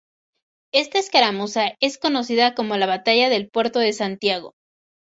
Esta escaramuza es conocida como la batalla del Puerto de Santiago.